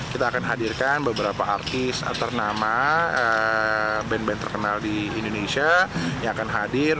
kita akan hadirkan beberapa artis ternama band band terkenal di indonesia yang akan hadir